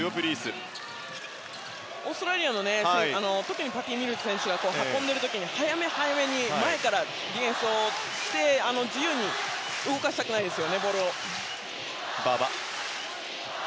オーストラリアの特にミルズ選手が運んでいる時に早め早めに前からディフェンスをして自由に動かしたくないです。